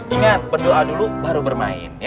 ingat berdoa dulu baru bermain